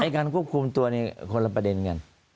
การควบคุมตัวคนละประเด็นกัน